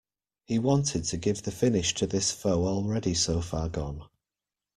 He wanted to give the finish to this foe already so far gone.